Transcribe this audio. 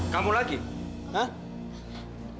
kamu lagi hah